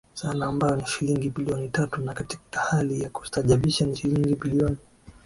sana ambayo ni shilingi bilioni tatu na katika hali ya kustaajabisha ni shilingi bilioni